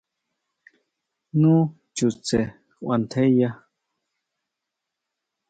Nu chutse kuantjeya.